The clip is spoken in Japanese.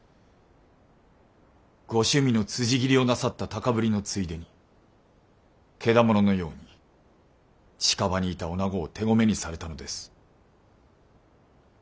ご趣味のつじ斬りをなさった高ぶりのついでにけだもののように近場にいた女子を手込めにされたのです。